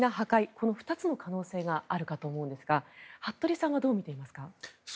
この２つの可能性があるかと思うんですが服部さんはどう見ていますか？